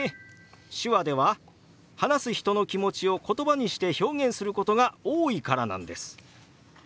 手話では話す人の気持ちを言葉にして表現することが多いからなんです。